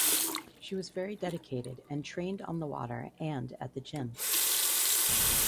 She was very dedicated and trained on the water and at the gym.